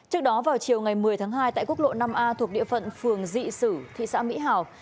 trước đó vào chiều ngày một mươi tháng hai tại quốc lộ năm a thuộc địa phận phường dị sử thị xã mỹ hảo